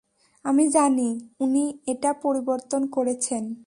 আমি জানি উনি এটা পরিবর্তন করেছেন।